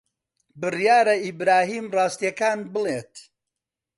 بڕیارە ئیبراهیم ڕاستییەکان بڵێت.